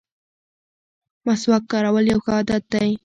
مسواک کارول یو ښه عادت دی.